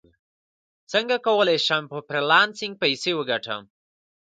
څنګه کولی شم په فریلانسینګ پیسې وګټم